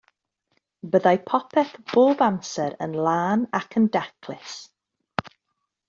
Byddai popeth bob amser yn lân ac yn daclus.